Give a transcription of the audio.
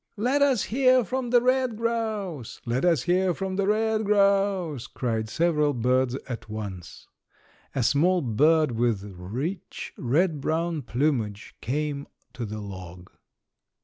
"Let us hear from the red grouse; let us hear from the red grouse!" cried several birds at once. A small bird with rich red brown plumage came to the log.